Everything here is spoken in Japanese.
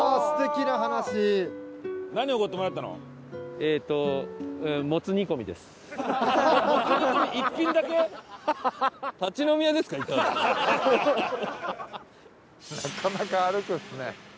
なかなか歩くんですね。